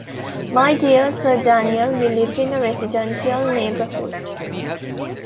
My dear Sir Daniel, we live in a residential neighborhood.